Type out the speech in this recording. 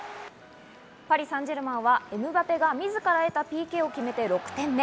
パリ・サンジェルマンはエムバペがみずから得たＰＫを決めて６点目。